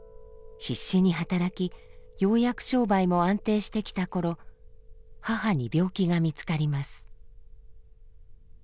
必死に働きようやく商売も安定してきた頃母に病気が見つかります。